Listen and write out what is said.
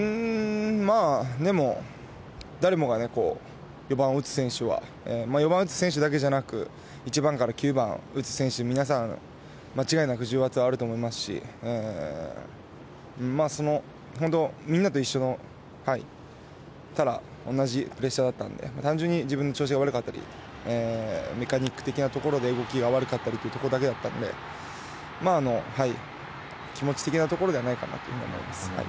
でも、誰もが４番を打つ選手は４番を打つ選手だけじゃなく１番から９番打つ選手、皆さん間違いなく重圧はあると思いますしみんなと一緒のただ同じプレッシャーだったので単純に自分の調子が悪かったりメカニック的な部分で動きが悪かったりというところだけだったので気持ち的なところではないかと思います。